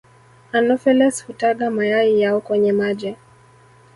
Anopheles hutaga mayai yao kwenye maji